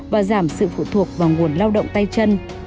và giảm sự phụ thuộc vào nguồn lao động tay chân